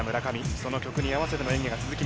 その曲に合わせての演技が続き